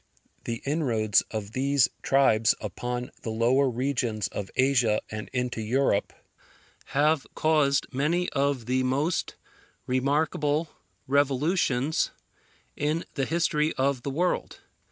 The inroads of these tribes upon the lower regions of Asia and into Europe, have caused many of the most remarkable revolutions in the history of the world.